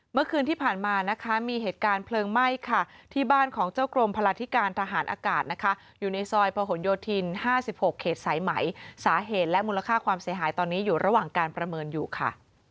เมื่อคืนที่ผ่านมานะคะมีเหตุการณ์เพลิงไหม้ค่ะที่บ้านของเจ้ากรมพลาธิการทหารอากาศนะคะอยู่ในซอยประหลโยธิน๕๖เขตสายไหมสาเหตุและมูลค่าความเสียหายตอนนี้อยู่ระหว่างการประเมินอยู่ค่ะ